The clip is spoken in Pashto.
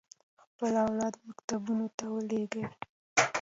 خپل اولاد مکتبونو ته ولېږي.